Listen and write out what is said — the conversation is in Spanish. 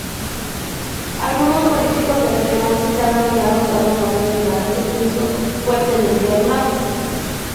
Algunos políticos de relevancia estaban ligados a dos bandas rivales de Kingston, fuertemente armadas.